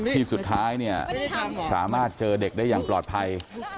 ที่สุดท้ายเนี่ยสามารถเจอเด็กได้อย่างปลอดภัย